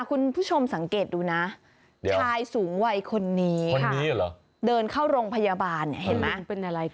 คุณผู้ชมสังเกตดูนะชายสูงวัยคนนี้เดินเข้าโรงพยาบาลเนี่ยเห็นไหม